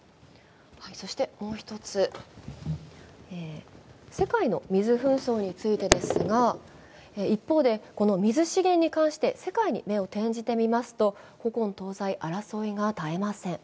そして、もう一つ、世界の水紛争についてですが、一方で水資源に関して世界に目を転じてみますと古今東西、争いが絶えません。